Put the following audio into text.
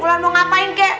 ulan mau ngapain kek